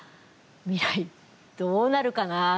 未来、どうなるかな。